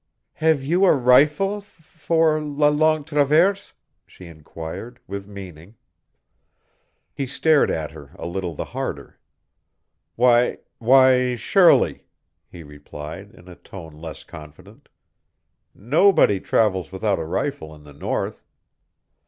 "Have you a rifle for la Longue Traverse?" she inquired, with meaning. He stared at her a little the harder. "Why why, surely," he replied, in a tone less confident. "Nobody travels without a rifle in the North."